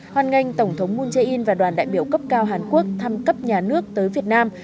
hoàn ngành tổng thống moon jae in và đoàn đại biểu cấp cao hàn quốc thăm cấp nhà nước tới việt nam